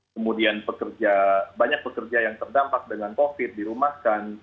kemudian banyak pekerja yang terdampak dengan covid dirumahkan